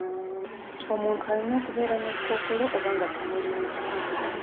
Omuntu ali okubeera ne kkookolo oba nga tamulina.